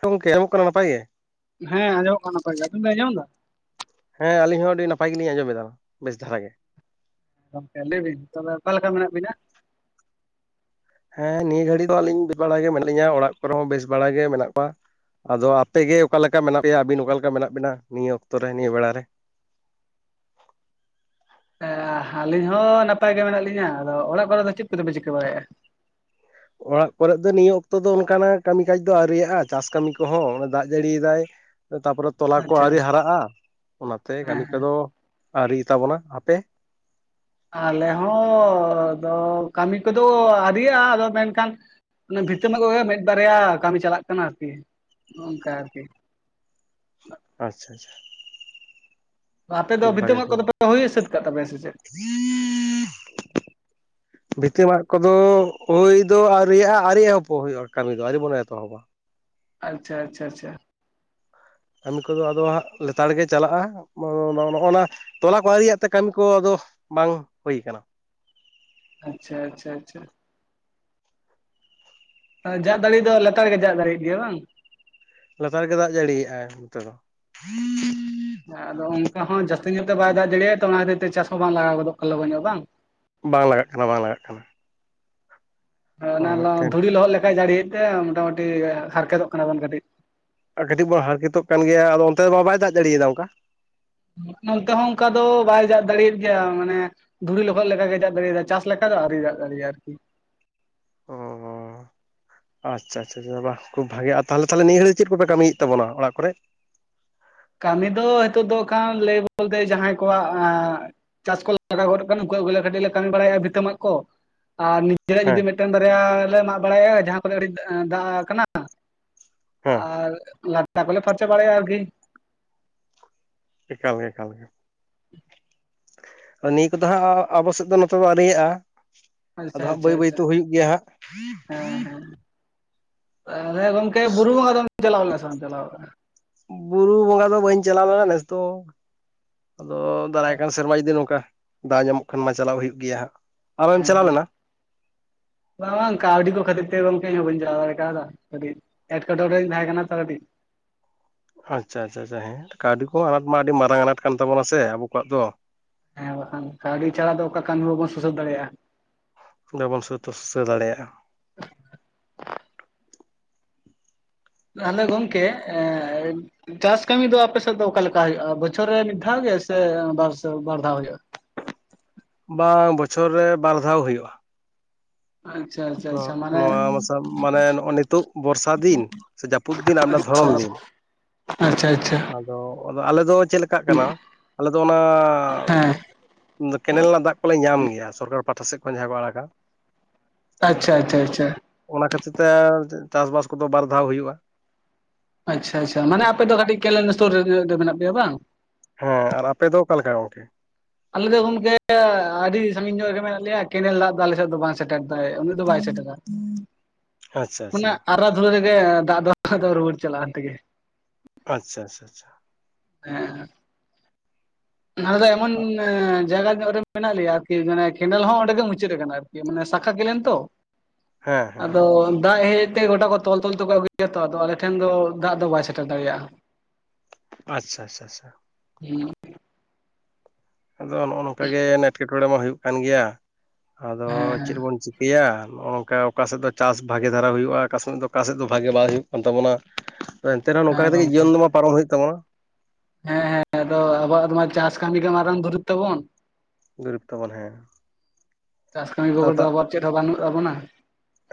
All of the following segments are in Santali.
ᱜᱚᱝᱠᱮ ᱮᱢᱚᱜ ᱠᱟᱱᱟ ᱱᱟᱯᱟᱭ ᱜᱮ ᱦᱮᱸ ᱟᱸᱡᱚᱢᱚᱜ ᱠᱟᱱᱟ ᱱᱟᱯᱟᱭ ᱜᱮ ᱟᱵᱤᱱ ᱵᱮᱱ ᱟᱸᱡᱚᱢᱫᱟ ᱦᱮᱸ ᱟᱹᱞᱤᱧ ᱦᱚᱸ ᱟᱹᱰᱤ ᱱᱟᱯᱟᱭ ᱜᱮᱞᱤᱧ ᱟᱸᱡᱚᱢᱮᱫᱟ ᱵᱮᱥ ᱫᱷᱟᱨᱟ ᱜᱮ ᱜᱚᱢᱠᱮ ᱞᱟᱹᱭ ᱵᱤᱱ ᱛᱚᱵᱮ ᱚᱠᱟᱮ ᱞᱮᱠᱟ ᱢᱮᱱᱟᱜ ᱵᱤᱱᱟ ᱦᱮᱸ ᱱᱤᱭᱟᱹ ᱜᱷᱟᱹᱲᱤ ᱫᱚ ᱟᱹᱞᱤᱧ ᱵᱮᱥ ᱵᱟᱲ ᱜᱮ ᱢᱮᱱᱟᱜ ᱞᱤᱧᱟ ᱚᱲᱟᱜ ᱠᱚᱨᱮ ᱦᱚᱸ ᱵᱮᱥ ᱵᱟᱲᱟ ᱜᱮ ᱢᱮᱱᱟᱜ ᱠᱚᱣᱟ ᱟᱫᱚ ᱟᱯᱮ ᱜᱮ ᱚᱠᱟᱞᱮᱠᱟ ᱢᱮᱱᱟᱜ ᱯᱮᱭᱟ ᱟᱹᱵᱤᱱ ᱚᱠᱟᱞᱮᱠᱟ ᱢᱮᱱᱟᱜ ᱵᱤᱱᱟ ᱱᱤᱭᱟᱹ ᱚᱠᱛᱚ ᱨᱮ ᱱᱤᱭᱟᱹ ᱵᱮᱲᱟ ᱨᱮ ᱟᱹᱞᱤᱧ ᱦᱚᱸ ᱱᱟᱯᱟᱭ ᱜᱮ ᱢᱮᱱᱟᱜ ᱞᱤᱧᱟᱹ ᱟᱫᱚ ᱚᱲᱟᱜ ᱠᱚᱨᱮ ᱫᱚ ᱪᱮᱫ ᱠᱚᱫᱚᱯᱮ ᱪᱤᱠᱟᱹ ᱵᱟᱲᱟᱭᱮᱫᱼᱟ ᱚᱲᱟᱜ ᱠᱚᱨᱮᱫ ᱫᱚ ᱱᱤᱭᱟᱹ ᱚᱠᱛᱚ ᱫᱚ ᱚᱱᱠᱟᱱᱟᱜ ᱠᱟᱹᱢᱤ ᱠᱟᱡᱽ ᱫᱚ ᱟᱹᱣᱮᱭᱟᱜᱼᱟ ᱪᱟᱥ ᱠᱟᱹᱢᱤ ᱠᱚᱦᱚᱸ ᱫᱟᱜ ᱡᱟᱹᱲᱤᱭᱫᱟᱭ ᱛᱟᱯᱚᱨᱮ ᱛᱚᱞᱟ ᱠᱚ ᱟᱪᱪᱷᱟ ᱟᱹᱣᱨᱤ ᱦᱟᱨᱟᱜᱼᱟ ᱚᱱᱟᱛᱮ ᱦᱮᱸ ᱠᱟᱹᱢᱤ ᱦᱮᱸ ᱠᱚᱫᱚ ᱟᱹᱨᱤᱭ ᱛᱟᱵᱚᱱᱟ ᱦᱟᱯᱮ ᱟᱞᱮ ᱦᱚᱸ ᱠᱟᱹᱢᱤ ᱠᱚᱫᱚ ᱟᱣᱨᱤᱭᱟᱜᱼᱟ ᱟᱫᱚ ᱢᱮᱱᱠᱷᱟᱱ ᱚᱱᱮ ᱵᱷᱤᱛᱟᱹ ᱢᱟᱜ ᱠᱚᱜᱮ ᱢᱮᱫ ᱵᱟᱨᱭᱟ ᱠᱟᱹᱢᱤ ᱪᱟᱞᱟᱜ ᱠᱟᱱᱟ ᱟᱨᱠᱤ ᱱᱚᱜ ᱱᱚᱝᱠᱟ ᱟᱨᱠᱤ ᱟᱪᱪᱷᱟ ᱟᱪᱪᱷᱟ ᱟᱯᱮ ᱫᱚ ᱠᱷᱩᱵ ᱵᱷᱤᱛᱟᱹ ᱢᱟᱜ ᱠᱚᱫᱚᱯᱮ ᱦᱩᱭ ᱥᱟᱹᱛ ᱠᱟᱜ ᱛᱟᱯᱮᱭᱟ ᱥᱮ ᱪᱮᱫ ᱦᱮ [unintelligible] ᱵᱷᱤᱛᱤ ᱢᱟᱜ ᱠᱚᱫᱚ ᱦᱳᱭ ᱫᱚ ᱟᱹᱣᱨᱤᱭᱟᱜ-ᱟ ᱟᱹᱣᱨᱤ ᱮᱦᱚᱵ ᱦᱩᱭᱩᱜᱼᱟ ᱠᱟᱹᱢᱤ ᱫᱚ ᱟᱹᱣᱨᱤ ᱵᱚᱱ ᱮᱛᱚᱦᱚᱵᱟ ᱟᱪᱪᱷᱟ ᱟᱪᱪᱷᱟ ᱟᱪᱪᱷᱟ ᱠᱟᱹᱢᱤ ᱠᱚᱫᱚ ᱟᱫᱚ ᱦᱟᱸᱜ ᱞᱮᱛᱟᱲ ᱜᱮ ᱪᱟᱞᱟᱜᱼᱟ ᱱᱚᱜᱼᱚ ᱱᱟ ᱛᱚᱞᱟ ᱠᱚ ᱟᱹᱨᱤᱭᱟᱜ ᱛᱮ ᱠᱟᱹᱢᱤ ᱠᱚ ᱟᱫᱚ ᱵᱟᱝ ᱦᱩᱭ ᱠᱟᱱᱟ ᱟᱪᱪᱷᱟ ᱟᱪᱪᱷᱟ ᱟᱪᱪᱷᱟ ᱡᱟᱜ ᱫᱟᱲᱮ ᱫᱚ ᱞᱮᱛᱟᱲ ᱨᱮᱜᱮ ᱡᱟᱜ ᱫᱟᱲᱤᱭᱮᱜ ᱜᱮᱭᱟ ᱵᱟᱝ ᱞᱚᱛᱟᱨ ᱜᱮ ᱫᱟᱜ ᱡᱟᱹᱲᱤᱭᱮᱜᱟᱭ ᱱᱚᱛᱮ ᱫᱚ ᱟᱫᱚ ᱚᱱᱠᱟ ᱦᱚᱸ ᱡᱟᱹᱥᱛᱤ ᱧᱚᱜ ᱛᱮ ᱵᱟᱭ ᱫᱟᱜ ᱡᱟᱲᱤᱭᱟᱜᱼᱟ ᱛᱚ ᱚᱱᱟ ᱠᱷᱟᱹᱛᱤᱨ ᱛᱮ ᱪᱟᱥ ᱦᱚᱸ ᱵᱟᱝ ᱞᱟᱜᱟᱣ ᱜᱚᱫᱚᱜ ᱠᱟᱱᱟ ᱞᱚᱜᱚᱱ ᱧᱚᱜ ᱵᱟᱝ ᱵᱟᱝ ᱞᱟᱜᱟᱜ ᱠᱟᱱᱟ ᱵᱟᱝ ᱞᱟᱜᱟᱜ ᱠᱟᱱᱟ ᱦᱮᱸ ᱱᱚᱣᱟ ᱚᱱᱟ ᱢᱤᱫᱴᱮᱱ ᱫᱷᱩᱲᱤ ᱞᱚᱦᱚᱫ ᱞᱮᱠᱟᱭ ᱡᱟᱹᱲᱤᱭᱮᱜ ᱛᱮ ᱢᱚᱴᱟᱢᱩᱴᱤ ᱦᱟᱨᱠᱮᱛᱚᱜ ᱠᱟᱱᱟᱵᱚᱱ ᱠᱟᱹᱴᱤᱡ ᱟᱨ ᱠᱟᱹᱴᱤᱡ ᱵᱚᱱ ᱦᱟᱨᱠᱮᱛᱚᱜ ᱠᱟᱱ ᱜᱮᱭᱟ ᱟᱫᱚ ᱚᱱᱛᱮ ᱫᱚ ᱵᱟ ᱵᱟᱭ ᱫᱟᱜ ᱫᱟᱲᱮᱭᱟᱫᱟ ᱚᱱᱠᱟ ᱱᱚᱱᱛᱮ ᱦᱚᱸ ᱚᱱᱠᱟ ᱫᱚ ᱵᱟᱭ ᱡᱟᱜ ᱫᱟᱲᱮᱭᱟᱜ ᱜᱮᱭᱟ ᱢᱟᱱᱮ ᱫᱷᱩᱲᱤ ᱞᱚᱦᱚᱫ ᱞᱮᱠᱟᱜᱮ ᱡᱟᱜ ᱫᱟᱲᱮᱫᱟ ᱪᱟᱥ ᱞᱮᱠᱟ ᱫᱚ ᱟᱹᱣᱨᱤ ᱫᱟᱜ ᱫᱟᱲᱮᱭᱟ ᱟᱨᱠᱤ ᱚ ᱟᱪᱪᱷᱟ ᱟᱪᱷᱟᱷᱟ ᱵᱟ ᱠᱷᱩᱵ ᱵᱷᱟᱜᱮ ᱟᱨ ᱛᱟᱦᱚᱞᱮ ᱛᱟᱦᱟᱞᱮ ᱱᱤᱭᱟᱹ ᱜᱟᱹᱲᱤᱠ ᱪᱮᱫ ᱠᱚ ᱯᱮ ᱠᱟᱹᱢᱤᱭᱮᱫ ᱛᱟᱵᱚᱱᱟ ᱚᱲᱟᱜ ᱠᱚᱨᱮ ᱠᱟᱹᱢᱤ ᱫᱚ ᱱᱤᱛᱚᱜ ᱫᱚ ᱠᱷᱟᱱ ᱞᱟᱹᱭ ᱵᱚᱞᱛᱮ ᱡᱟᱦᱟᱸᱭ ᱠᱚᱣᱟᱜ ᱪᱟᱥ ᱠᱚᱞ ᱞᱟᱜᱟᱣ ᱜᱚᱫ ᱠᱟᱱᱟ ᱩᱱᱠᱩᱣᱟᱫ ᱜᱮᱠᱮ ᱠᱟᱹᱴᱤᱡ ᱞᱮ ᱠᱟᱹᱢᱤ ᱵᱟᱲᱟᱭᱮᱜ-ᱟ ᱵᱷᱤᱛᱟᱹ ᱢᱟᱜ ᱠᱚ ᱟᱨ ᱪᱮᱫᱟᱜ ᱦᱮᱸ ᱡᱩᱫᱤ ᱢᱤᱫᱴᱮᱱ ᱵᱟᱨᱭᱟ ᱞᱮ ᱢᱟᱜ ᱵᱟᱲᱟᱭᱟ ᱡᱟᱦᱟᱸ ᱠᱚᱨᱮ ᱟᱹᱰᱤ ᱫᱟᱜ ᱟᱠᱟᱱᱟ ᱦᱮᱸ ᱟᱨ ᱞᱟᱴᱟ ᱠᱚᱞᱮ ᱯᱷᱟᱨᱪᱟ ᱵᱟᱲᱟᱭᱟ ᱟᱨᱠᱤ ᱮᱠᱟᱞ ᱮᱠᱟᱞ ᱜᱮ ᱫᱚ ᱱᱤᱭᱟᱹ ᱠᱚᱫᱚ ᱦᱟᱸᱜ ᱟᱵᱚ ᱥᱮᱫ ᱫᱚ ᱱᱚᱛᱮ ᱫᱚ ᱟᱹᱣᱨᱤᱭᱟᱜᱼᱟ ᱟᱪᱪᱷᱟ ᱟᱫᱚ ᱦᱟᱸᱜ ᱟᱪᱪᱷᱟ ᱵᱟᱹᱭ ᱵᱟᱹᱭ ᱟᱪᱪᱷᱟ ᱛ ᱦᱩᱭᱩᱜ ᱜᱮᱭᱟ ᱦᱟᱸᱜ ᱛᱟᱦᱟᱞᱮ ᱜᱚᱢᱠᱮ ᱵᱩᱨᱩ ᱵᱚᱝᱜᱟ ᱫᱚᱢ ᱪᱟᱞᱟᱣ ᱞᱮᱱᱟ ᱥᱮ ᱵᱟᱢ ᱪᱟᱞᱟᱣ ᱠᱟᱱᱟ? ᱵᱩᱨᱩ ᱵᱚᱸᱜᱟ ᱫᱚ ᱵᱟᱹᱧ ᱪᱟᱞᱟᱣ ᱞᱮᱱᱟ ᱱᱮᱥ ᱫᱚ ᱟᱫᱚ ᱫᱟᱨᱟᱭ ᱠᱟᱱ ᱟᱪᱪᱷᱟ ᱥᱮᱨᱢᱟ ᱡᱩᱫᱤ ᱱᱚᱝᱠᱟ ᱫᱟᱣ ᱧᱟᱢᱚᱜ ᱠᱷᱟᱱ ᱢᱟ ᱪᱟᱞᱟᱣ ᱦᱩᱭᱩᱜ ᱜᱮᱭᱟ ᱦᱟᱸᱜ ᱟᱢᱮᱢ ᱦᱮᱸ ᱦᱮᱸ ᱪᱟᱞᱟᱣ ᱞᱮᱱᱟ? ᱵᱟᱝ ᱠᱟᱹᱣᱰᱤ ᱠᱚ ᱠᱷᱟᱹᱛᱤᱨ ᱛᱮ ᱜᱚᱝᱠᱮ ᱤᱧ ᱦᱚ ᱵᱟᱹᱧ ᱪᱟᱞᱟᱣ ᱫᱟᱲᱮ ᱠᱟᱣᱫᱟ ᱠᱟᱹᱴᱤᱡ ᱮᱴᱠᱮᱴᱚᱬᱮᱧ ᱛᱟᱦᱮᱸ ᱠᱟᱱᱟ ᱛᱚ ᱠᱟᱹᱴᱤᱡ ᱟᱪᱪᱷᱟ ᱟᱪᱪᱷᱟ ᱟᱪᱪᱷᱟ ᱦᱮᱸ ᱠᱟᱹᱣᱰᱤ ᱠᱚ ᱟᱱᱟᱴ ᱢᱟ ᱟᱹᱰᱤ ᱢᱟᱨᱟᱝ ᱟᱱᱟᱴ ᱠᱟᱱ ᱛᱟᱵᱚᱱᱟ ᱥᱮ ᱟᱵᱚ ᱠᱚᱣᱟᱜ ᱫᱚ ᱦᱮᱸ ᱵᱟᱠᱷᱟᱱ ᱠᱟᱹᱣᱰᱤ ᱪᱷᱟᱲᱟ ᱫᱚ ᱚᱠᱟ ᱠᱟᱹᱢᱤ ᱦᱚ ᱵᱟᱵᱚᱱ ᱥᱩᱥᱟᱹᱨ ᱫᱟᱲᱮᱭᱟᱜᱼᱟ ᱵᱟᱵᱚᱱ ᱥᱟᱹᱛ ᱥᱩᱥᱟᱹᱨ ᱫᱟᱲᱮᱭᱟᱜᱼᱟ ᱛᱟᱦᱚᱞᱮ ᱜᱚᱢᱠᱮ ᱮ ᱪᱟᱥ ᱠᱟᱹᱢᱤ ᱫᱚ ᱟᱯᱮᱥᱮᱫ ᱫᱚ ᱚᱠᱟᱞᱮᱠᱟ ᱦᱩᱭᱩᱜᱼᱟ? ᱵᱚᱪᱷᱚᱨ ᱨᱮ ᱢᱤᱫ ᱫᱷᱟᱣ ᱜᱮ ᱥᱮ ᱵᱟᱨ ᱥᱮ ᱵᱟᱨ ᱫᱷᱟᱣ ᱦᱩᱭᱩᱜᱼᱟ? ᱵᱟᱝ ᱵᱚᱪᱷᱚᱨ ᱨᱮ ᱵᱟᱨ ᱫᱷᱟᱣ ᱦᱩᱭᱩᱜᱼᱟ ᱟᱪᱪᱷᱟ ᱟᱪ ᱱᱚᱣᱟ ᱢᱟᱥᱟᱢ ᱢᱟᱱᱮ ᱱᱚᱜᱚᱭ ᱱᱤᱛᱚᱜ ᱵᱚᱨᱥᱟ ᱫᱤᱱ ᱥᱮ ᱡᱟᱹᱯᱩᱫ ᱫᱤᱱ ᱟᱨ ᱢᱮᱫᱴᱟᱱ ᱫᱷᱚᱨᱚᱱ ᱫᱤᱱ ᱟᱪᱪᱷᱟ ᱟᱪᱪᱷᱟ ᱟᱫᱚ ᱟᱫᱚ ᱟᱞᱮ ᱫᱚ ᱪᱮᱫᱞᱮᱠᱟᱜ ᱠᱟᱱᱟ ᱟᱞᱮ ᱫᱚ ᱚᱱᱟ- ᱦᱮᱸ ᱠᱮᱱᱮᱞ ᱨᱮᱱᱟᱜ ᱫᱟᱜ ᱠᱚᱞᱮ ᱧᱟᱢ ᱜᱮᱭᱟ ᱥᱚᱨᱠᱟᱨ ᱯᱟᱦᱴᱟ ᱥᱮᱫ ᱠᱷᱚᱱ ᱡᱟᱦᱟᱸ ᱠᱚ ᱟᱲᱟᱜᱟ ᱟᱪᱪᱷᱟ ᱟᱪᱪᱷᱟ ᱟᱫᱚ ᱟᱪᱪᱷᱟ ᱚᱱᱟ ᱠᱷᱟᱹᱛᱤᱨ ᱛᱮ ᱪᱟᱥᱵᱟᱥ ᱠᱚᱫᱚ ᱵᱟᱨ ᱫᱷᱟᱣ ᱦᱩᱭᱩᱜᱼᱟ ᱟᱪᱪᱷᱟ ᱟᱪᱪᱷᱟ ᱢᱟᱱᱮ ᱟᱯᱮ ᱫᱚ ᱠᱟᱹᱴᱤᱡ ᱠᱮᱱᱮᱞ ᱥᱳᱨ ᱨᱮᱜᱮ ᱢᱮᱱᱟᱜ ᱯᱮᱭᱟ ᱵᱟᱝ? ᱦᱮᱸ ᱟᱨ ᱟᱯᱮ ᱫᱚ ᱚᱠᱟᱞᱮᱠᱟ ᱜᱚᱝᱠᱮ ᱟᱞᱮ ᱫᱚ ᱜᱚᱢᱠᱮ ᱟᱹᱰᱤ ᱥᱟᱺᱜᱤᱧ ᱧᱚᱜ ᱨᱮᱜᱮ ᱢᱮᱱᱟᱜ ᱞᱮᱭᱟ ᱠᱮᱱᱮᱞ ᱫᱟᱜ ᱫᱚ ᱟᱞᱮᱥᱮᱫ ᱫᱚ ᱵᱟᱝ ᱥᱮᱴᱮᱨ ᱫᱟᱭᱮ ᱩᱱᱟᱹᱜ ᱫᱚ ᱵᱟᱭ ᱥᱮᱴᱮᱨᱟ [inaudible] ᱟᱪᱪᱷᱟ ᱚᱱᱟ ᱟᱪᱪᱷᱟ ᱟᱨᱟ ᱫᱷᱩᱨᱟᱹ ᱨᱮᱜᱮ ᱫᱟᱜ ᱫᱚ ᱟᱫᱚ ᱨᱩᱣᱟᱹᱲ ᱪᱟᱞᱟᱜᱼᱟ ᱦᱟᱱᱛᱮ ᱜᱮ ᱟᱪᱪᱷᱟ ᱟᱪᱷᱟ ᱪᱪᱷᱟ ᱦᱮᱸ ᱛᱟᱦᱚᱞᱮ ᱮᱢᱚᱱ ᱡᱟᱭᱜᱟ ᱱᱚᱜᱨᱮ ᱢᱮᱱᱟᱜ ᱞᱮᱭᱟ ᱟᱨᱠᱤ ᱢᱟᱱᱮ ᱠᱮᱱᱮᱞ ᱦᱚᱸ ᱚᱸᱰᱮ ᱜᱮ ᱢᱩᱪᱟᱹᱫ ᱟᱠᱟᱱᱟ ᱟᱨᱠᱤ ᱢᱟᱱᱮ ᱥᱟᱠᱷᱟ ᱠᱮᱞᱮᱱ ᱛᱚ᱾ ᱦᱮᱸ ᱦᱮᱸ ᱟᱫᱚ ᱦᱮᱸ ᱫᱟᱜ ᱦᱮᱡ ᱛᱮ ᱜᱚᱴᱟ ᱠᱚ ᱛᱚᱞ ᱛᱚᱞ ᱛᱮᱠᱚ ᱟᱹᱜᱩᱭᱟ ᱛᱚ ᱟᱞᱮ ᱴᱷᱮᱱ ᱫᱚ ᱫᱟᱜ ᱫᱚ ᱵᱟᱭ ᱥᱮᱴᱮᱨ ᱫᱟᱲᱮᱭᱟᱜᱼᱟ᱾ ᱟᱪᱪᱷᱟ ᱪᱷᱟ ᱪᱷᱟ ᱦᱮᱸ ᱟᱫᱚ ᱱᱚᱜᱼᱚᱭ ᱱᱚᱝᱠᱟ ᱜᱮᱮ ᱮᱴᱠᱮᱴᱚᱬᱮ ᱢᱟ ᱦᱩᱭᱩᱜ ᱠᱟᱱ ᱜᱮᱭᱟ, ᱟᱫᱚ ᱦᱮᱸ ᱦᱮᱸ ᱪᱮᱫ ᱵᱚᱱ ᱪ ᱪᱮᱫ ᱵᱚᱱ ᱪᱮᱠᱟᱭᱟ ᱱᱚᱜᱼᱚᱭ ᱱᱚᱝᱠᱟ ᱥᱮᱫ ᱫᱚ ᱪᱟᱥ ᱵᱷᱟᱜᱮ ᱫᱷᱟᱨᱟ ᱦᱩᱭᱩᱜᱼᱟ, ᱚᱠᱟ ᱥᱮᱫ ᱫᱚ ᱚᱠᱟ ᱥᱮᱫ ᱫᱚ ᱵᱷᱟᱜᱮ ᱵᱟᱝ ᱦᱩᱭᱩᱜ ᱠᱟᱱ ᱛᱟᱵᱚᱱᱟ᱾ ᱛᱚ ᱮᱱᱛᱮ ᱨᱮᱦᱚ ᱱᱚᱝᱠᱟ ᱦᱮᱸ ᱠᱟᱛᱮ ᱜᱮ ᱜᱚᱝᱠᱮ ᱡᱤᱭᱚᱱ ᱫᱚ ᱢᱟ ᱯᱟᱨᱚᱢ ᱦᱩᱭᱩᱜ ᱛᱟᱵᱚᱱᱟ ᱦᱮᱸ ᱦᱮᱸ ᱟᱫᱚ ᱟᱵᱚᱣᱟᱜ ᱪᱟᱥ ᱠᱟᱹᱢᱤ ᱜᱮ ᱢᱟᱨᱟᱝ ᱫᱩᱨᱩᱵ ᱛᱟᱵᱚᱱ ᱫᱩᱨᱤᱵ ᱛᱟᱵᱚᱱ ᱦᱮᱸ ᱪᱟᱥ ᱠᱟᱹᱢᱤ ᱟᱫᱚ ᱵᱮᱜᱟᱨ ᱫᱚ ᱛᱟᱜ ᱟᱵᱟᱣᱟᱜ ᱪᱮᱫ ᱦᱚᱸ ᱵᱟᱱᱩᱜ ᱛᱟᱵᱚᱱᱟ᱾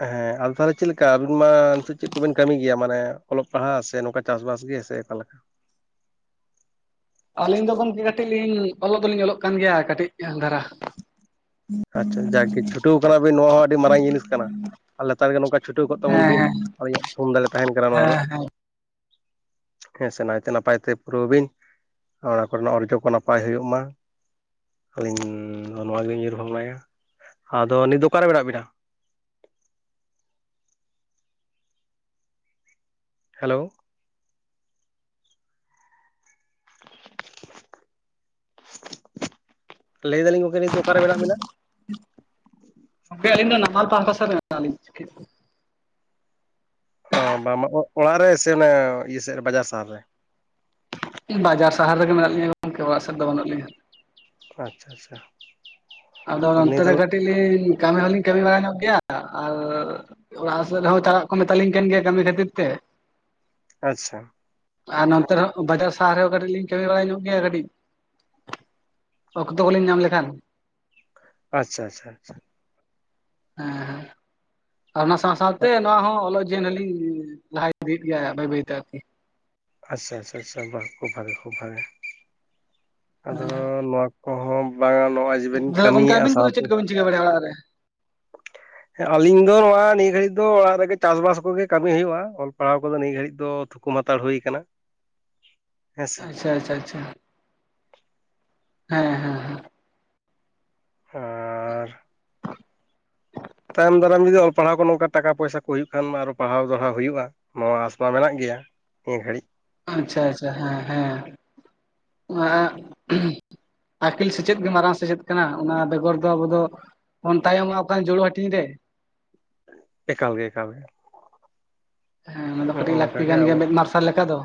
ᱦᱮᱸ ᱟᱫᱚ ᱛᱟᱦᱚᱞᱮ ᱪᱮᱫ ᱞᱮᱠᱟ ᱟᱵᱤᱱ ᱢᱟ ᱱᱤᱛᱚᱜ ᱪᱮᱫ ᱠᱚᱵᱤᱱ ᱠᱟᱹᱢᱤ ᱜᱮᱭᱟ? ᱢᱟᱱᱮ ᱚᱞᱚᱜ ᱯᱟᱲᱦᱟᱜ ᱥᱮ ᱱᱚᱝᱠᱟ ᱪᱟᱥᱵᱟᱥ ᱜᱮ ᱥᱮ ᱚᱠᱟᱞᱮᱠᱟ? ᱟᱹᱞᱤᱧ ᱫᱚ ᱜᱚᱝᱠᱮ ᱠᱟᱹᱴᱤᱡ ᱞᱤᱧ ᱚᱞᱚᱜ ᱫᱚᱞᱤᱧ ᱚᱞᱚᱜ ᱠᱟᱱ ᱜᱮᱭᱟ ᱠᱟᱹᱴᱤᱡ ᱫᱷᱟᱨᱟ᱾ ᱟᱪᱪᱷᱟ ᱡᱟᱠᱜᱮ ᱪᱷᱩᱴᱟᱹᱣ ᱠᱟᱱᱟ ᱵᱤᱱ ᱱᱚᱣᱟ ᱦᱚᱸ ᱟᱹᱰᱤ ᱢᱟᱨᱟᱝ ᱡᱤᱱᱤᱥ ᱠᱟᱱᱟ᱾ ᱟᱨ ᱞᱟᱛᱟᱨ ᱨᱮᱜᱮ ᱱᱚᱝᱠᱟ ᱪᱷᱩᱴᱟᱹᱣ ᱠᱚᱜ ᱛᱟᱵᱚᱱ ᱦᱮᱸ ᱵᱤᱱ, ᱦᱮᱸ ᱟᱞᱮᱭᱟᱜ ᱛᱷᱩᱢᱫᱟᱞᱮ ᱛᱟᱦᱮᱱ ᱠᱟᱱᱟ ᱱᱚᱣᱟ ᱦᱮᱸ ᱫᱚ᱾ ᱦᱮᱸ ᱦᱮᱸ ᱥᱮ ᱱᱟᱭᱛᱮ ᱱᱟᱯᱟᱭ ᱛᱮ ᱯᱩᱨᱟᱹᱣ ᱵᱤᱱ, ᱚᱱᱟ ᱠᱚᱨᱮᱱᱟᱜ ᱚᱨᱡᱚ ᱠᱚ ᱱᱟᱯᱟᱭ ᱦᱩᱭᱩᱜ ᱢᱟ᱾ ᱟᱹᱞᱤᱧ ᱱᱚᱣᱟ ᱜᱮᱞᱤᱧ ᱩᱦᱟᱹᱨ ᱵᱷᱷᱟᱵᱽᱱᱟᱭᱟ, ᱟᱫᱚ ᱱᱤᱛ ᱫᱚ ᱚᱠᱟᱨᱮ ᱢᱮᱱᱟᱜ ᱵᱮᱱᱟ? ᱦᱮᱞᱳ ᱞᱟᱹᱭᱫᱟᱞᱤᱧ ᱜᱚᱝᱠᱮ ᱱᱤᱫ ᱫᱚ ᱚᱠᱟᱱ ᱨᱮ ᱢᱮᱱᱟᱜ ᱵᱮᱱᱟ? ᱟᱹᱞᱤᱧ ᱫᱚ [unintelligible] ᱚ ᱵᱟᱝ ᱢᱟ ᱚᱲᱟᱜ ᱨᱮ ᱥᱮ ᱚᱱᱮ ᱤᱭᱟᱹ ᱥᱮᱫ ᱨᱮ ᱵᱟᱡᱟᱨ ᱥᱟᱦᱟᱨ ᱨᱮ᱾ ᱵᱟᱡᱟᱨ ᱥᱟᱦᱟᱨ ᱨᱮᱜᱮ ᱢᱮᱱᱟᱜ ᱞᱤᱧᱟᱹ ᱜᱚᱝᱠᱮ, ᱚᱲᱟᱜ ᱥᱮᱫ ᱫᱚ ᱵᱟᱹᱱᱩᱜ ᱞᱤᱧᱟᱹ᱾ ᱟᱪᱪᱷᱟ ᱟᱪᱪᱷᱟ ᱟᱫᱚ ᱛᱟᱦᱚᱞᱮ ᱱᱚᱱᱛᱮ ᱱᱤᱭᱟᱹ ᱨᱮ ᱛᱟᱦᱚᱞᱮ ᱠᱟᱹᱴᱤᱡ ᱞᱤᱧ ᱠᱟᱹᱢᱤ ᱦᱚᱞᱤᱧ ᱠᱟᱹᱢᱤ ᱵᱟᱲᱟ ᱧᱚᱜ ᱜᱮᱭᱟ ᱟᱨ ᱚᱲᱟᱜ ᱥᱮᱫ ᱨᱮᱦᱚᱸ ᱪᱟᱞᱟᱜ ᱠᱚ ᱢᱮᱛᱟᱞᱤᱧ ᱠᱟᱱ ᱜᱮᱭᱟ ᱠᱟᱹᱢᱤ ᱠᱷᱟᱹᱛᱤᱨ ᱛᱮ᱾ ᱟᱪᱪᱷᱟ ᱟᱨ ᱱᱚᱱᱛᱮ ᱨᱮᱦᱚᱸ ᱵᱟᱡᱟᱨ ᱥᱟᱦᱟᱨ ᱨᱮᱦᱚᱸ ᱠᱟᱹᱴᱤᱡ ᱞᱤᱧ ᱠᱟᱹᱢᱤ ᱵᱟᱲᱟ ᱧᱚᱜ ᱜᱮᱭᱟ ᱠᱟᱹᱴᱤᱡ᱾ ᱚᱠᱛᱚ ᱠᱚᱞᱤᱧ ᱧᱟᱢ ᱞᱮᱠᱷᱟᱱ᱾ ᱟᱪᱪᱷᱟ ᱟᱪᱪᱷᱟ ᱟᱪᱷᱟ ᱦᱮᱸ ᱦᱮᱸ ᱟᱨ ᱚᱱᱟ ᱥᱟᱶ ᱥᱟᱶᱛᱮ ᱱᱚᱣᱟ ᱦᱚᱸ ᱚᱞᱚᱜ ᱞᱤ ᱞᱟᱦᱟᱭ ᱤᱫᱤᱭᱮᱫ ᱜᱮᱭᱟ ᱵᱟᱹᱭ ᱵᱟᱹᱭᱛᱮ ᱟᱨᱠᱤ ᱟᱪᱪᱷᱟ ᱟᱪᱪᱷᱟᱷᱟ ᱠᱷᱩᱵ ᱵᱷᱟᱜᱮ ᱠᱷᱩᱵ ᱵᱷᱟᱜᱮ ᱟᱫᱚ ᱱᱚᱣᱟ ᱚ ᱦᱚᱸ ᱵᱟᱝᱟ ᱱᱚᱜᱼᱚᱭ ᱡᱮᱵᱮᱱ ᱫᱟᱫᱟ ᱜᱚᱝᱠᱮ ᱠᱟᱹᱢᱤᱭᱮᱫᱼᱟ ᱟᱵᱤᱱ ᱠᱚᱫᱚ ᱥᱟᱶᱛᱮ ᱪᱮᱫ ᱠᱚᱵᱤᱱ ᱪᱤᱠᱟᱹ ᱵᱟᱲᱟᱭᱟ ᱚᱲᱟᱜ ᱨᱮ [unintelligible] ᱦᱮᱸ ᱟᱞᱤᱧ ᱫᱚ ᱱᱚᱣᱟ ᱱᱤᱭᱟᱹ ᱜᱷᱟᱹᱲᱤᱡ ᱫᱚ ᱚᱲᱟᱜ ᱨᱮᱜᱮ ᱪᱟᱥᱵᱟᱥ ᱠᱚᱜᱮ ᱠᱟᱹᱢᱤ ᱦᱩᱭᱩᱜᱼᱟ ᱾ ᱚᱞ ᱯᱟᱲᱦᱟᱣ ᱠᱚᱫᱚ ᱱᱤᱭᱟᱹ ᱜᱷᱟᱹᱲᱤᱡ ᱫᱚ ᱛᱷᱩᱠᱩᱢ ᱦᱟᱛᱟᱲ ᱦᱩᱭ ᱟᱠᱟᱱᱟ᱾ ᱦᱮᱸᱥᱮ ᱟᱪᱪᱷᱟ ᱟᱪᱪᱷᱟ ᱟᱪᱪᱷᱟ ᱦᱮᱸ ᱦᱮᱸ ᱦᱮᱸ [unintelligible] ᱛᱟᱭᱚᱢ ᱫᱟᱨᱟᱢ ᱡᱩᱫᱤ ᱚᱞ ᱯᱟᱲᱦᱟᱣ ᱠᱚ ᱱᱚᱝᱠᱟ ᱴᱟᱠᱟ ᱯᱚᱭᱥᱟ ᱠᱚ ᱦᱩᱭᱩᱜ ᱠᱷᱟᱱ ᱢᱟ ᱟᱨᱚ ᱯᱟᱲᱦᱟᱣ ᱫᱚᱲᱦᱟᱣ ᱦᱩᱭᱩᱜᱼᱟ᱾ ᱱᱚᱣᱟ ᱟᱥ ᱢᱟ ᱢᱮᱱᱟᱜ ᱜᱮᱭᱟ ᱱᱤᱭᱟᱹ ᱜᱷᱟᱹᱲᱤᱡ᱾ ᱟᱪᱪᱷᱟ ᱟᱪᱪᱷᱟ ᱦᱮᱸ ᱦᱮᱸ ᱟᱹᱠᱤᱞ ᱥᱮᱪᱮᱫ ᱜᱮ ᱢᱟᱨᱟᱝ ᱥᱮᱪᱮᱫ ᱠᱟᱱᱟ, ᱚᱱᱟ ᱵᱮᱜᱚᱨ ᱫᱚ ᱟᱵᱚ ᱫᱚ ᱵᱚᱱ ᱛᱟᱭᱚᱢᱚᱜ ᱠᱟᱱᱟ ᱡᱩᱲᱩ ᱦᱟᱹᱴᱤᱧ ᱨᱮ᱾ ᱮᱠᱟᱞ ᱜᱮ ᱮᱠᱟᱞ ᱜᱮ ᱦᱮᱸ ᱚᱱᱟ ᱫᱚ ᱱᱚᱜᱼᱚ ᱠᱟᱹᱴᱤᱡ ᱱᱚᱝᱠᱟ ᱞᱟᱹᱠᱛᱤ ᱜᱮ ᱠᱟᱱ ᱜᱮᱭᱟ ᱟᱵᱚ ᱢᱮᱫ ᱢᱟᱨᱥᱟᱞ ᱞᱮᱠᱟ ᱫᱚ᱾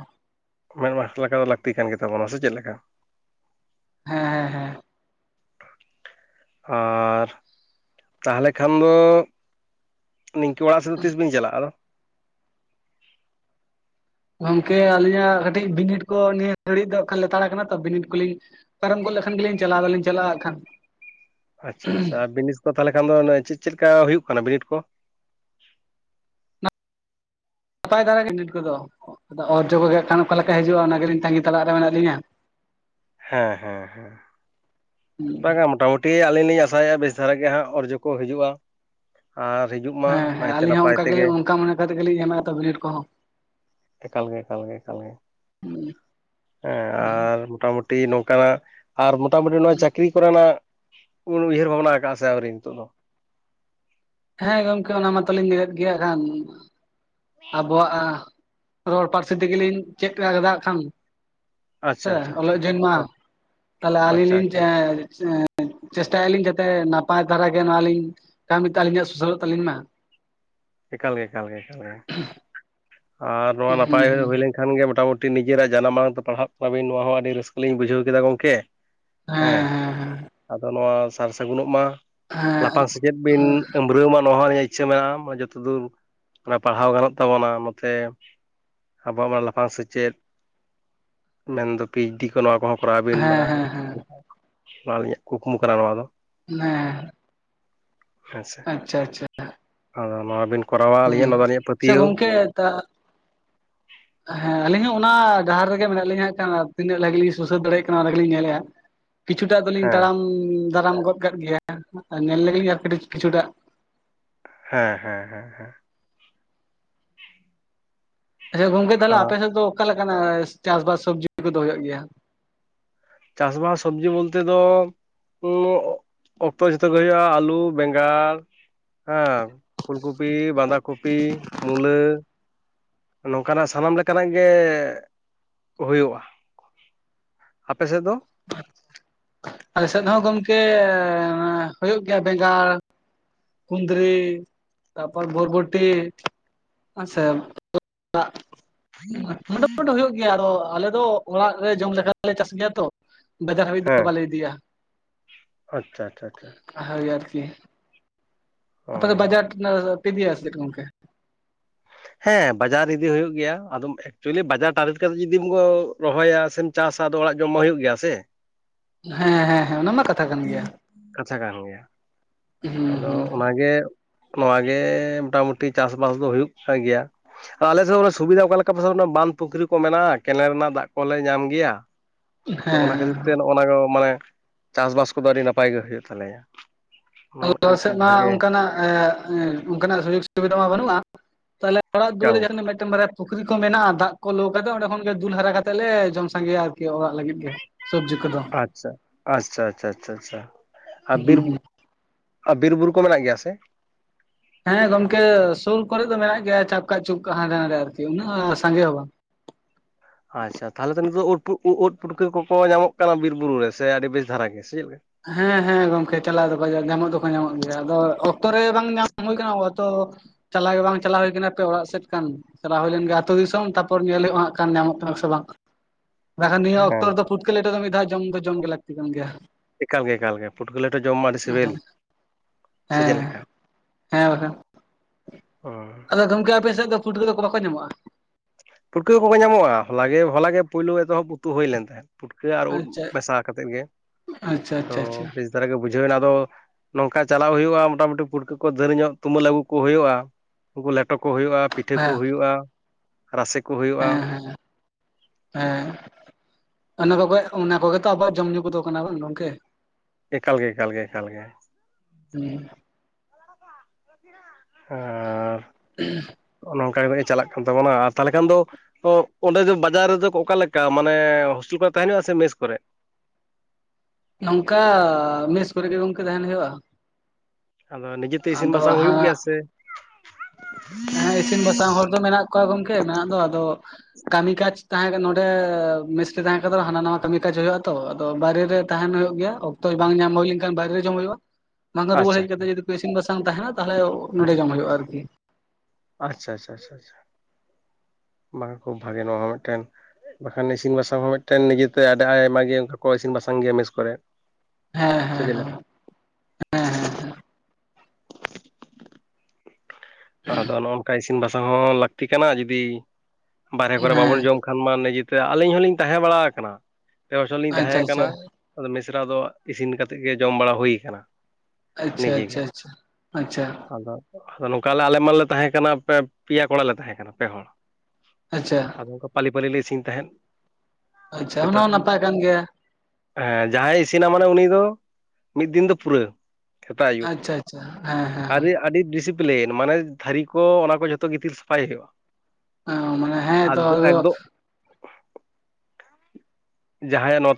ᱢᱮᱫ ᱢᱟᱨᱟᱥᱟ ᱞᱮᱠᱟ ᱫᱚ ᱞᱟᱹᱠᱛᱤ ᱠᱟᱱ ᱜᱮᱛᱟᱵᱚᱱᱟ ᱥᱮ ᱪᱮᱫ ᱞᱮᱠᱟ᱾ ᱦᱮᱸ ᱦᱮᱸ ᱦᱮᱸ ᱟᱨ ᱛᱟᱦᱚᱞᱮ ᱠᱷᱟᱱ ᱫᱚ ᱱᱤᱝᱠᱟᱹ ᱚᱲᱟᱜ ᱥᱮᱫ ᱫᱚ ᱛᱤᱥ ᱵᱤᱱ ᱪᱟᱞᱟᱜᱼᱟ ᱟᱫᱚ? ᱜᱚᱝᱠᱮ ᱟᱹᱞᱤᱧᱟᱜ ᱠᱟᱹᱴᱤᱡ ᱵᱤᱱᱤᱰ ᱠᱚ ᱱᱤᱭᱟᱹ ᱜᱷᱟᱹᱲᱤᱡ ᱫᱚ ᱟᱠᱷᱟᱱ ᱞᱮᱛᱟᱲ ᱠᱟᱱᱟ ᱛᱚ ᱵᱤᱱᱤᱰ ᱠᱚᱞᱤᱧ ᱯᱟᱨᱚᱢ ᱜᱚᱫ ᱞᱮᱠᱷᱟᱱ ᱜᱮᱞᱤᱧ ᱪᱟᱞᱟᱣ ᱫᱚᱞᱤᱧ ᱪᱟᱞᱟᱜᱼᱟ ᱟᱠᱷᱟᱱ ᱟᱪᱪᱷᱟ ᱟᱪᱪᱷᱟ ᱟᱨ ᱵᱤᱱᱤᱰ ᱠᱚ ᱛᱟᱦᱚᱞᱮ ᱠᱷᱟᱱ ᱫᱚ ᱪᱮᱫ ᱪᱮᱫ ᱞᱮᱠᱟ ᱦᱩᱭᱩᱜ ᱠᱟᱱᱟ ᱵᱤᱱᱤᱰ ᱠᱚ? ᱱᱟᱯᱟᱭ ᱫᱷᱟᱨᱟ ᱜᱮ ᱵᱤᱱᱤᱰ ᱠᱚᱫᱚ ᱟᱫᱚ ᱚᱨᱡᱚ ᱠᱚᱜᱮ ᱟᱠᱷᱟᱱ ᱚᱠᱟ ᱞᱮᱠᱟ ᱦᱤᱡᱩᱜᱼᱟ ᱚᱱᱟ ᱜᱮᱞᱤᱧ ᱛᱟᱸᱜᱤ ᱛᱟᱲᱟᱜ ᱨᱮ ᱢᱮᱱᱟᱜ ᱞᱤᱧᱟᱹ ᱦᱮᱸ ᱦᱮᱸ ᱦᱮᱸ ᱵᱟᱝᱼᱟ ᱢᱳᱴᱟᱢᱩᱴᱤ ᱴᱷᱤᱠ ᱜᱮᱭᱟ ᱟᱹᱞᱤᱧ ᱞᱤᱧ ᱟᱥᱟᱭᱮᱫᱼᱟ ᱵᱮᱥ ᱫᱷᱟᱨᱟ ᱜᱮ ᱦᱟᱸᱜ ᱚᱨᱡᱚ ᱠᱚ ᱦᱤᱡᱩᱜᱼᱟ ᱟᱨ ᱦᱤᱡᱩᱜ ᱢᱟ ᱦᱮᱸ ᱦᱮᱸ ᱱᱟᱭᱛᱮ ᱟᱹᱞᱤᱧ ᱦᱚᱸ ᱱᱟᱯᱟᱭ ᱚᱱᱠᱟ ᱛᱮᱜᱮ ᱜᱮᱞᱤᱧ ᱚᱱᱠᱟ ᱢᱚᱱᱮ ᱠᱟᱛᱮ ᱜᱮᱞᱤᱧ ᱮᱢᱟ ᱛᱚ ᱵᱤᱱᱤᱰ ᱠᱚᱦᱚᱸ ᱮᱠᱟᱞᱜᱮ ᱮᱠᱟᱞ ᱜᱮ ᱮᱠᱟᱞᱜᱮ ᱦᱮᱸ ᱟᱨ ᱢᱚᱴᱟᱢᱩᱴᱤ ᱱᱚᱝᱠᱟᱱᱟᱜ ᱟᱨ ᱢᱚᱴᱟᱢᱩᱴᱤ ᱱᱚᱣᱟ ᱪᱟᱹᱠᱨᱤ ᱠᱚᱨᱮᱱᱟᱜ ᱩᱱ ᱩᱭᱦᱟᱹᱨ ᱵᱷᱟᱵᱽᱱᱟ ᱟᱠᱟᱫᱼᱟ ᱥᱮ ᱟᱹᱣᱨᱤ ᱱᱤᱛᱚᱜ ᱫᱚ? ᱦᱮᱸ ᱜᱚᱢᱠᱮ ᱚᱱᱟ ᱢᱟᱛᱚᱞᱤᱧ ᱧᱮᱞᱮᱫ ᱜᱮᱭᱟ ᱟᱠᱷᱟᱱ ᱟᱵᱚᱣᱟᱜ ᱨᱚᱲ ᱯᱟᱹᱨᱥᱤ ᱛᱮᱜᱮ ᱞᱤᱧ ᱪᱮᱫ ᱟᱠᱟᱫᱟ ᱠᱷᱟᱱ ᱥᱮ ᱟᱪᱪᱷᱟ ᱟᱪᱪᱷᱟ ᱟᱪᱪᱷᱟ ᱚᱞᱚᱜ ᱡᱤᱭᱚᱱ ᱢᱟ ᱟᱪᱪᱷᱟ ᱛᱟᱦᱞᱮ ᱟᱹᱞᱤᱧ ᱟᱪᱪᱷᱟ ᱞᱤᱧ ᱟᱪᱪᱷᱟ ᱮᱸ ᱮᱸ ᱪᱮᱥᱴᱟᱭᱟᱞᱤᱧ ᱡᱟᱛᱮ ᱱᱟᱯᱟᱭ ᱫᱷᱟᱨᱟ ᱜᱮ ᱱᱚᱣᱟ ᱞᱤᱧ ᱠᱟᱹᱢᱤ ᱛᱟᱹᱞᱤᱧ ᱢᱟ ᱥᱩᱥᱟᱹᱨᱚᱜ ᱛᱟᱹᱞᱤᱧ ᱢᱟ ᱮᱠᱟᱞ ᱜᱮ ᱮᱠᱟᱞ ᱜᱮ ᱮᱠᱟᱞ ᱜᱮ [unintelligible] ᱟᱨ ᱱᱚᱣᱟ ᱱᱟᱯᱟᱭ ᱦᱩᱭ ᱦᱮᱸ ᱞᱮᱱ ᱮᱱᱠᱷᱟᱱ ᱜᱮ ᱢᱚᱴᱟᱢᱩᱴᱤ ᱱᱤᱡᱮᱨᱟᱜ ᱡᱟᱱᱟᱢ ᱟᱲᱟᱟᱝ ᱛᱮ ᱯᱟᱲᱦᱟᱜ ᱠᱟᱱᱟ ᱵᱤᱱ ᱱᱚᱣᱟ ᱦᱚᱸ ᱟᱹᱰᱤ ᱨᱟᱹᱠᱟᱹ ᱞᱤᱧ ᱵᱩᱡᱷᱟᱹᱣ ᱠᱮᱫᱟ ᱜᱚᱝᱠᱮ ᱦᱮᱸ ᱟᱫᱚ ᱱᱚᱣᱟ ᱥᱟᱨ ᱥᱟᱹᱜᱩᱱᱚᱜ ᱢᱟ ᱦᱮᱸ ᱦᱮᱸ ᱞᱟᱯᱷᱟᱝ ᱥᱮᱪᱮᱫ ᱵᱤᱱ ᱯᱩᱨᱟᱹᱣ ᱢᱟ ᱱᱚᱣᱟ ᱦᱚᱸ ᱤᱧᱟᱹᱜ ᱤᱪᱪᱷᱟᱹ ᱢᱮᱱᱟᱜᱼᱟ ᱡᱚᱛᱚ ᱫᱩᱨ ᱢᱟᱱᱮ ᱯᱟᱲᱦᱟᱣ ᱜᱟᱱᱚᱜ ᱛᱟᱵᱚᱱᱟ ᱱᱚᱛᱮ ᱟᱵᱚᱣᱟᱜ ᱢᱟ ᱞᱟᱯᱷᱟᱝ ᱥᱮᱪᱮᱫ ᱢᱮᱱ ᱫᱚ ᱯᱤ ᱤᱪ ᱰᱤ ᱠᱚ ᱱᱚᱣᱟ ᱠᱚᱦᱚᱸ ᱠᱚᱨᱟᱣ ᱵᱤᱱ ᱦᱮᱸ ᱢᱟᱱᱮ ᱦᱮᱸ ᱦᱮᱸ ᱚᱱᱟ ᱟᱞᱤᱧᱟᱜ ᱠᱩᱠᱢᱩ ᱠᱟᱱᱟ ᱱᱚᱣᱟ ᱫᱚ [unintelligible] ᱦᱮᱸ ᱥᱮ ᱟᱪᱷᱟ ᱟᱪᱷᱟ ᱟᱫᱚ ᱱᱚᱣᱟ ᱵᱤᱱ ᱠᱚᱨᱟᱣᱟ ᱟᱹᱞᱤᱧᱟᱜ ᱱᱚᱣᱟ ᱫᱚ ᱟᱹᱞᱤᱧᱟᱜ ᱯᱟᱹᱛᱭᱟᱹᱣ ᱛᱚ [inaudible] ᱦᱮᱸ ᱟᱞᱤᱧ ᱦᱚᱸ ᱚᱱᱟ ᱰᱟᱦᱟᱨ ᱨᱮᱜᱮ ᱢᱮᱱᱟᱜ ᱞᱤᱧᱟ ᱦᱟᱸᱜ ᱠᱟᱷᱱ ᱛᱤᱱᱟᱹᱜ ᱞᱟᱹᱜᱤᱫ ᱞᱤᱧ ᱥᱩᱥᱟᱹᱨ ᱫᱟᱲᱮᱭᱟᱜ ᱠᱟᱱᱟ ᱚᱱᱟ ᱜᱮᱞᱤᱧ ᱧᱮᱞᱮᱫᱼᱟ᱾ ᱠᱤᱪᱷᱩᱴᱟᱜ ᱫᱚᱞᱤᱧ ᱦᱮᱸ ᱛᱟᱲᱟᱢ ᱫᱟᱨᱟᱢ ᱜᱚᱫ ᱠᱟᱜ ᱜᱮᱭᱟ ᱧᱮᱞ ᱞᱮᱜᱤᱧ ᱟᱨ ᱠᱤᱪᱷᱩᱴᱟᱜ ᱦᱮᱸ ᱦᱮᱸ ᱦᱮᱸ ᱦᱮᱸ ᱟᱪᱪᱷᱟ ᱜᱚᱝᱠᱮ ᱛᱟᱦᱚᱞᱮ ᱟᱯᱮ ᱥᱮᱫ ᱫᱚ ᱚᱠᱟ ᱞᱮᱠᱟᱱᱟᱜ ᱪᱟᱥᱵᱟᱥ ᱥᱚᱵᱽᱡᱤ ᱠᱚᱫᱚ ᱦᱩᱭᱩᱜ ᱜᱮᱭᱟ? ᱪᱟᱥᱵᱟᱥ ᱥᱚᱵᱡᱤ ᱵᱚᱞᱛᱮ ᱫᱚ ᱩᱸᱜ ᱚᱠᱛᱚ ᱡᱷᱚᱛᱚ ᱜᱮ ᱦᱳᱭᱳᱜᱼᱟ ᱟᱹᱞᱩ ᱵᱮᱸᱜᱟᱲ ᱦᱮᱸ ᱯᱷᱩᱞ ᱠᱚᱯᱤ ᱵᱟᱸᱫᱷᱟ ᱠᱚᱯᱤ ᱢᱩᱞᱟᱹ ᱱᱚᱝᱠᱟᱱᱟᱜ ᱥᱟᱱᱟᱢ ᱞᱮᱠᱟᱱᱟᱜ ᱜᱮ ᱦᱳᱭᱳᱜᱼᱟ ᱟᱯᱮ ᱥᱮᱫ ᱫᱚ? ᱟᱞᱮ ᱥᱮᱫ ᱦᱚᱸ ᱜᱚᱝᱠᱮ ᱦᱳᱭᱳᱜ ᱜᱮᱭᱟ ᱵᱮᱸᱜᱟᱲ ᱠᱩᱸᱫᱽᱨᱤ ᱛᱟᱨᱯᱚᱨ ᱵᱚᱨᱵᱚᱴᱤ ᱟᱪᱪᱷᱟ [unintelligible] ᱢᱚᱴᱟᱢᱩᱴᱤ ᱦᱳᱭᱳᱜ ᱜᱮᱭᱟ ᱟᱫᱚ ᱟᱞᱮ ᱫᱚ ᱚᱲᱟᱜ ᱨᱮ ᱡᱚᱢ ᱞᱮᱠᱟᱞᱮ ᱪᱟᱥ ᱜᱮᱭᱟ ᱛᱚ ᱵᱟᱡᱟᱨ ᱦᱟᱹᱵᱤᱡ ᱫᱚ ᱦᱮᱸ ᱵᱟᱞᱮ ᱮᱫᱤᱭᱟ᱾ ᱟᱪᱪᱷᱟ ᱟᱪᱪᱷᱟ ᱟᱪᱪᱷᱟ ᱦᱳᱭ ᱟᱨᱠᱤ ᱚ ᱟᱯᱮ ᱫᱚ ᱵᱟᱡᱟᱨ ᱴᱷᱮᱱᱟᱜ ᱵᱟᱯᱮ ᱮᱫᱤᱭᱟ ᱥᱮ ᱜᱚᱢᱠᱮ ᱦᱮᱸ ᱵᱟᱡᱟᱨ ᱤᱫᱤ ᱦᱩᱭᱩᱜ ᱜᱮᱭᱟ ᱟᱫᱚᱢ ᱮᱠᱪᱩᱭᱮᱞᱤ ᱵᱟᱡᱟᱨ ᱴᱟᱨᱜᱮᱴ ᱠᱟᱛᱮ ᱡᱩᱫᱤᱢ ᱠᱚ ᱨᱚᱦᱚᱭᱟ ᱥᱮᱢ ᱪᱟᱥᱟ ᱟᱫᱚ ᱚᱲᱟᱜ ᱡᱚᱢ ᱦᱚᱸ ᱦᱩᱭᱩᱜ ᱜᱮᱭᱟ ᱥᱮ᱾ ᱦᱮᱸ ᱦᱮᱸ ᱦᱮᱸ ᱚᱱᱟᱢᱟ ᱠᱟᱛᱷᱟ ᱠᱟᱱ ᱜᱮᱭᱟ ᱠᱟᱛᱷᱟ ᱠᱟᱱ ᱜᱮᱭᱟ ᱦᱩᱸ ᱟᱫᱚ ᱦᱩᱸ ᱚᱱᱟᱜᱮ ᱱᱚᱣᱟ ᱜᱮ ᱢᱚᱴᱟᱢᱩᱴᱤ ᱪᱟᱥᱵᱟᱥ ᱫᱚ ᱦᱩᱭᱩᱜ ᱠᱟᱱ ᱜᱮᱭᱟ ᱟᱞᱮ ᱥᱮᱫ ᱚᱱᱟ ᱥᱩᱵᱤᱫᱟ ᱚᱠᱟ ᱞᱮᱠᱟ ᱯᱟᱥᱮ ᱚᱱᱟ ᱵᱟᱸᱫ ᱯᱩᱠᱷᱨᱤ ᱠᱚ ᱢᱮᱱᱟᱜᱼᱟ ᱠᱮᱱᱮᱞ ᱨᱮᱱᱟᱜ ᱫᱟᱜ ᱠᱚᱞᱮ ᱧᱟᱢ ᱜᱮᱭᱟ ᱚᱱᱟ ᱦᱮᱸ ᱠᱷᱟᱹᱛᱤᱨ ᱛᱮ ᱱᱚᱜᱼ ᱱᱚᱣᱟ ᱢᱟᱱᱮ ᱪᱟᱥᱼᱵᱟᱥ ᱠᱚᱫᱚ ᱟᱹᱰᱤ ᱱᱟᱯᱟᱭ ᱜᱮ ᱦᱩᱭᱩᱜ ᱛᱟᱞᱮᱭᱟ ᱱᱚᱣᱟ ᱞᱟᱦ ᱢᱤᱫᱴᱮᱱ ᱥᱮᱫ ᱠᱷᱩᱵ ᱢᱟ ᱵᱷᱟᱜᱮ ᱚᱱᱠᱟᱱᱟᱜ ᱚᱱᱠᱟᱱᱟᱜ ᱥᱩᱡᱳᱜ ᱥᱩᱵᱤᱫᱷᱟ ᱢᱟ ᱵᱟᱹᱱᱩᱜᱼᱟ ᱛᱟᱦᱚᱞᱮ ᱛᱷᱚᱲᱟ ᱫᱩᱣᱟᱨ ᱠᱟᱹᱢᱤ ᱡᱟᱦᱟ ᱱᱟᱜ ᱢᱤᱫ [inaudible] ᱢᱤᱫᱴᱟᱝ ᱵᱟᱨᱭᱟ ᱯᱩᱠᱷᱨᱤ ᱠᱚ ᱢᱮᱱᱟᱜᱼᱟ ᱫᱟᱜ ᱠᱚ ᱞᱳ ᱠᱟᱛᱮᱫ ᱚᱸᱰᱮ ᱠᱷᱚᱱ ᱜᱮ ᱫᱩᱞ ᱦᱟᱨᱟ ᱠᱟᱛᱮᱜ ᱞᱮ ᱡᱚᱢ ᱥᱟᱸᱜᱮᱭᱟ ᱟᱨᱠᱤ ᱚᱲᱟᱜ ᱞᱟᱹᱜᱤᱫ ᱜᱮ᱾ ᱥᱚᱵᱡᱤ ᱠᱚ ᱫᱚ ᱟᱪᱪᱷᱟ ᱟᱪᱪᱷᱟ ᱟᱪᱪᱷᱟ ᱟᱪᱪᱷᱟ ᱟᱪᱷᱟ ᱟᱨ ᱵᱤᱨ ᱦᱩᱸ ᱦᱩᱸ ᱟᱨ ᱵᱤᱨ ᱵᱩᱨᱩ ᱠᱚ ᱢᱮᱱᱟᱜ ᱜᱮᱭᱟ ᱥᱮ? ᱦᱮᱸ ᱜᱚᱝᱠᱮ ᱥᱩᱨ ᱠᱚᱨᱮ ᱫᱚ ᱢᱮᱱᱟᱜ ᱜᱮᱭᱟ ᱪᱟᱯᱠᱟ ᱪᱩᱯᱠᱟᱹᱜ ᱦᱟᱸᱰᱮ ᱱᱟᱰᱮ ᱟᱨᱠᱤ ᱩᱱᱟᱹᱜ ᱥᱟᱸᱜᱮ ᱦᱚᱸ ᱵᱟᱝ ᱟᱪᱪᱷᱟ ᱛᱟᱦᱚᱞᱮ ᱛᱚ ᱱᱤᱛᱳᱜ ᱫᱚ ᱳᱫ ᱳᱫ ᱯᱩᱴᱠᱟᱹ ᱠᱚᱠᱚ ᱧᱟᱢᱚᱜ ᱠᱟᱱᱟ ᱵᱤᱨ ᱵᱩᱨᱩ ᱨᱮ ᱥᱮ ᱟᱹᱰᱤ ᱵᱮᱥ ᱫᱷᱟᱨᱟ ᱜᱮ ᱥᱮ ᱪᱮᱫ ᱦᱮᱸ ᱦᱮᱸ ᱜᱚᱝᱠᱮ ᱪᱟᱞᱟᱣ ᱫᱚ ᱧᱟᱢᱚᱜ ᱫᱚᱠᱚ ᱧᱟᱢᱚᱜ ᱜᱮᱭᱟ ᱟᱫᱚ ᱚᱠᱛᱚ ᱨᱮ ᱵᱟᱝ ᱧᱟᱢ ᱦᱩᱭ ᱟᱠᱟᱱᱟ ᱛᱚ ᱪᱟᱞᱟᱣ ᱜᱮ ᱵᱟᱝ ᱪᱟᱞᱟᱣ ᱦᱩᱭ ᱟᱠᱟᱱᱟᱟᱱᱟᱯᱮ ᱚᱲᱟᱜ ᱥᱮᱫ ᱠᱟᱱ᱾ ᱪᱟᱞᱟᱣ ᱦᱩᱭ ᱞᱮᱱ ᱜᱮ ᱟᱹᱛᱳ ᱫᱤᱥᱚᱢ ᱛᱟᱨᱯᱚᱨ ᱧᱮᱞ ᱦᱩᱭᱩᱜᱼᱟ ᱦᱟᱸᱜ ᱠᱷᱟᱱ ᱧᱟᱢᱚᱜ ᱠᱟᱱᱟ ᱥᱮ ᱵᱟᱝ ᱵᱟᱠᱷᱟᱱ ᱱᱤᱭᱟᱹ ᱚᱠᱛᱚ ᱦᱮᱸ ᱫᱚ ᱯᱷᱩᱴᱠᱮᱞᱤᱴ ᱫᱚ ᱢᱤᱫ ᱫᱷᱟᱣ ᱡᱚᱢ ᱫᱚ ᱡᱚᱢ ᱜᱮ ᱞᱟᱹᱠᱛᱤ ᱠᱟᱱ ᱜᱮᱭᱟ ᱮᱠᱟᱞ ᱜᱮ ᱮᱠᱞᱟ ᱜᱮ ᱯᱩᱴᱠᱟᱹ ᱞᱮᱴᱚ ᱡᱚᱢ ᱢᱟ ᱟᱹᱰᱤ ᱥᱤᱵᱤᱞ ᱥᱮ ᱦᱮᱸ ᱪᱮᱫ ᱞᱮᱠᱟ ᱦᱮᱸ ᱵᱟᱠᱷᱟᱱ ᱚ ᱟᱫᱚ ᱜᱚᱢᱠᱮ ᱟᱯᱮ ᱥᱮᱫ ᱫᱚ ᱯᱷᱩᱴᱠᱟᱹᱫᱚ ᱵᱟᱠᱚ ᱧᱟᱢᱚᱜᱼᱟ᱾ ᱯᱷᱩᱴᱠᱟᱹ ᱠᱚ ᱧᱟᱢᱚᱜᱼᱟ ᱦᱚᱞᱟᱜᱮ ᱦᱚᱞᱟᱜᱮ ᱯᱩᱭᱞᱳ ᱮᱛᱚᱦᱚᱵ ᱩᱛᱩ ᱦᱩᱭ ᱞᱮᱱ ᱛᱟᱦᱮᱸᱫ ᱯᱩᱴᱠᱟᱹ ᱟᱨ ᱩᱫ ᱟᱪᱪᱷᱟ ᱢᱮᱥᱟ ᱠᱟᱛᱮᱫ ᱜᱮ ᱟᱪᱪᱷᱟ ᱟᱫᱚ ᱟᱪᱪᱷᱟ ᱟᱪᱪᱷᱟ ᱵᱮᱥ ᱟᱹᱨᱟᱜᱮ ᱵᱩᱡᱷᱟᱹᱣ ᱮᱱᱟ ᱟᱫᱚ ᱱᱚᱝᱠᱟ ᱪᱟᱞᱟᱣ ᱦᱩᱭᱩᱜᱼᱟ ᱢᱚᱴᱟᱢᱩᱴᱤ ᱯᱷᱩᱴᱠᱟᱹ ᱠᱚ ᱰᱷᱮᱨ ᱧᱚᱜ ᱛᱩᱢᱟᱹᱞ ᱟᱹᱜᱩ ᱠᱚ ᱦᱩᱭᱩᱜᱼᱟ ᱩᱱᱠᱩ ᱠᱚ ᱞᱮᱴᱚ ᱠᱚ ᱦᱩᱭᱩᱜᱼᱟ, ᱯᱤᱴᱷᱟᱹ ᱠᱚ ᱦᱮᱸ ᱦᱩᱭᱩᱜᱼᱟ, ᱨᱟᱥᱮ ᱠᱚ ᱦᱩᱭᱩᱜᱼᱟ ᱦᱮᱸ ᱦᱮᱸ ᱚᱱᱟ ᱠᱚᱜᱮ ᱚᱱᱟ ᱠᱚᱜᱮ ᱛᱚ ᱟᱵᱚᱣᱟᱜ ᱡᱚᱢ ᱧᱩ ᱠᱚᱫᱚ ᱠᱟᱱᱟ ᱵᱟᱝ ᱜᱚᱝᱠᱮ ᱮᱠᱟᱞ ᱜᱮ ᱮᱠᱟᱞ ᱜᱮ ᱮᱠᱟᱞ ᱜᱮ ᱦᱩᱸ [unintelligible] ᱦᱮᱸ [inaudible] ᱱᱚᱝᱠᱟ ᱠᱟᱛᱮ ᱪᱟᱞᱟᱜ ᱠᱟᱱ ᱛᱟᱵᱚᱱᱟ ᱟᱨ ᱛᱟᱦᱞᱮ ᱠᱷᱟᱱ ᱫᱚ ᱚ ᱚᱸᱰᱮ ᱫᱚ ᱵᱟᱡᱟᱨ ᱨᱮᱫᱚ ᱚᱠᱟᱞᱮᱠᱟ ᱢᱟᱱᱮ ᱦᱳᱥᱴᱮᱞ ᱠᱚᱨᱮ ᱛᱟᱦᱮᱱ ᱦᱩᱭᱩᱜᱼᱟ ᱥᱮ ᱢᱮᱥ ᱠᱚᱨᱮ ᱱᱚᱝᱠᱟ ᱢᱮᱮᱥ ᱠᱚᱨᱮᱜᱮ ᱜᱚᱝᱠᱮ ᱛᱟᱦᱮᱱ ᱦᱩᱭᱩᱜ-ᱟ ᱟᱫᱚ ᱱᱤᱡᱮᱛᱮ ᱤᱥᱤᱱ ᱵᱟᱥᱟᱝ ᱦᱩᱭᱩᱜ ᱦᱟᱸᱜ ᱜᱮᱭᱟ ᱥᱮ ᱦᱮᱸ ᱤᱥᱤᱱ ᱵᱟᱥᱟᱝ ᱦᱚᱲ ᱫᱚ ᱢᱮᱱᱟᱜ ᱠᱚᱣᱟ ᱜᱚᱢᱠᱮ ᱢᱮᱱᱟᱜ ᱫᱚ ᱟᱫᱚ ᱠᱟᱹᱢᱤ ᱠᱟᱡ ᱛᱟᱦᱮᱸ ᱠᱟᱱᱟ ᱱᱚᱸᱰᱮ ᱢᱮᱥ ᱨᱤ ᱛᱟᱦᱮᱸ ᱠᱟᱛᱮ ᱦᱟᱱᱟ ᱱᱟᱣᱟ ᱠᱟᱹᱢᱤ ᱠᱟᱡ ᱦᱩᱭᱩᱜ-ᱟ ᱛᱚ ᱟᱫᱚ ᱵᱟᱭᱨᱮ ᱨᱮ ᱛᱟᱦᱮᱱ ᱦᱩᱭᱩᱜ ᱜᱮᱭᱟ ᱚᱠᱛᱚ ᱵᱟᱝ ᱧᱟᱢ ᱦᱩᱭ ᱞᱮᱱᱠᱷᱟᱱ ᱵᱟᱭᱨᱮ ᱡᱚᱢ ᱦᱩᱭᱩᱜᱼᱟ ᱵᱟᱝᱠᱷᱟᱱ ᱨᱩᱣᱟᱹᱲ ᱟᱪᱪᱷᱟ ᱦᱮᱡ ᱠᱟᱛᱮᱜ ᱡᱚᱫᱤ ᱤᱥᱤᱱ ᱵᱟᱥᱟᱝ ᱛᱟᱦᱮᱸᱜ ᱛᱟᱦᱞᱮ ᱱᱚᱸᱰᱮ ᱡᱚᱢ ᱦᱩᱭᱩᱜᱼᱟ ᱟᱨᱠᱤ ᱟᱪᱪᱷᱟ ᱟᱪᱪᱷᱟ ᱟᱪᱪᱷᱟ ᱟᱪᱪᱷᱟ ᱵᱟᱝ ᱠᱷᱩᱵ ᱵᱷᱟᱜᱮ ᱱᱚᱣᱟ ᱦᱚᱸ ᱢᱮᱫᱴᱮᱱ ᱵᱟᱠᱷᱟᱱ ᱤᱥᱤᱱ ᱵᱟᱥᱟᱝ ᱦᱚᱸ ᱢᱤᱫᱴᱮᱱ ᱱᱤᱡᱮᱛᱮ ᱟᱹᱰᱤ ᱟᱭᱢᱟ ᱜᱮ ᱚᱝᱠᱟ ᱠᱚ ᱤᱥᱤᱱ ᱵᱟᱥᱟᱝ ᱜᱮᱭᱟ ᱢᱮᱥ ᱠᱚᱨᱮ ᱦᱮᱸ ᱥᱮ ᱦᱮᱸ ᱪᱮᱞᱮ ᱞᱮ ᱦᱮᱸ ᱦᱮᱸ ᱦᱮᱸ ᱟᱫᱚ ᱱᱚᱜᱼᱚ ᱱᱚᱝᱠᱟ ᱤᱥᱤᱱ ᱵᱟᱥᱟᱝ ᱦᱚᱸ ᱞᱟᱹᱠᱛᱤ ᱠᱟᱱᱟ ᱡᱩᱫᱤ ᱵᱟᱨᱦᱮ ᱠᱚᱨᱮ ᱦᱮᱸ ᱵᱟᱵᱚᱱ ᱡᱚᱢ ᱠᱷᱟᱱ ᱢᱟ ᱱᱤᱡᱮᱛᱮ ᱟᱹᱞᱤᱧ ᱦᱚᱸᱞᱤᱧ ᱛᱟᱦᱮᱸ ᱵᱟᱲᱟ ᱟᱠᱟᱱᱟ ᱯᱮ ᱵᱚᱪᱷᱚᱨ ᱞᱤᱧ ᱟᱪᱪᱷᱟ ᱛᱟᱦᱮᱸ ᱠᱟᱱᱟ ᱟᱪᱪᱷᱟ ᱟᱫᱚ ᱢᱤᱥᱨᱮ ᱫᱚ ᱤᱥᱤᱱ ᱠᱟᱛᱮᱫ ᱜᱮ ᱡᱚᱢ ᱵᱟᱲᱟ ᱦᱩᱭ ᱟᱠᱟᱱᱟ ᱟᱪᱪᱷᱟ ᱟᱪᱪᱷᱟ ᱟᱪᱪᱷᱟ, ᱟᱪᱪᱷᱟ ᱟᱫᱚ ᱟᱫᱚ ᱱᱚᱝᱠᱟᱞᱮ ᱟᱞᱮ ᱢᱟᱞᱮ ᱛᱟᱦᱮᱸ ᱠᱟᱱᱟ ᱯᱮ ᱯᱮᱭᱟ ᱠᱚᱲᱟ ᱞᱮ ᱛᱟᱦᱮᱸ ᱠᱟᱱᱟ ᱯᱮ ᱦᱚᱲ ᱟᱪᱪᱷᱟ ᱟᱫᱚ ᱱᱚᱝᱠᱟ ᱯᱟᱞᱤ ᱯᱟᱞᱤ ᱞᱮ ᱤᱥᱤᱱ ᱛᱟᱦᱮᱸᱫ ᱟᱪᱪᱷᱟ ᱚᱱᱟ ᱥᱮᱛᱟᱜ ᱦᱚᱸ ᱱᱟᱯᱟᱭ ᱠᱟᱱ ᱜᱮᱭᱟ ᱦᱮᱸ ᱡᱟᱦᱟᱸᱭᱮ ᱤᱥᱤᱱᱟ ᱢᱟᱱᱮ ᱩᱱᱤ ᱫᱚ ᱢᱤᱫ ᱫᱤᱱ ᱫᱚ ᱯᱩᱨᱟᱹ ᱥᱮᱛᱟᱜ ᱟᱹᱭᱩᱵ ᱟᱪᱪᱷᱟ ᱟᱪᱪᱷᱟ ᱦᱮᱸ ᱦᱮᱸ ᱟᱹᱰᱤ ᱟᱹᱰᱤ ᱰᱤᱥᱤ ᱯᱞᱤᱱ ᱢᱟᱱᱮ ᱛᱷᱟᱹᱨᱤ ᱠᱚ ᱚᱱᱟ ᱠᱚ ᱡᱷᱚᱛᱚ ᱜᱤᱛᱤᱞ ᱥᱟᱯᱷᱟᱭ ᱦᱩᱭᱩᱜᱼᱟ ᱦᱮᱸ ᱢᱟᱱᱮ ᱦᱮᱸ ᱟᱫᱚ ᱛᱚ ᱮᱠᱫᱚᱢ ᱡᱟᱦᱟᱸᱭᱮ ᱱᱚᱛᱮ